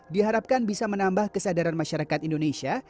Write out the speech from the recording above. diharapkan bisa menambah kesadaran masyarakat indonesia